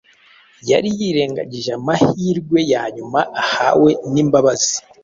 Yari yirengagije amahirwe ya nyuma ahawe y’imbabazi.